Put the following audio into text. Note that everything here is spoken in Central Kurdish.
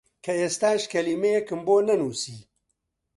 کە ئێستاش کەلیمەیەکم بۆ نەنووسی!